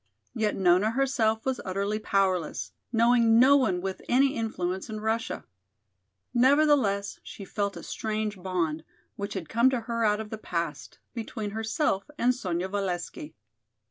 Yet Nona herself was utterly powerless, knowing no one with any influence in Russia. Nevertheless she felt a strange bond, which had come to her out of the past, between herself and Sonya Valesky.